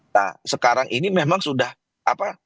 nah sekarang ini memang sudah apa